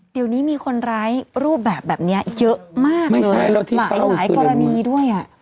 เดี๋ยวนี้มีคนร้ายรูปแบบแบบนี้เยอะมากหลายหลายกรณีด้วยอ่ะ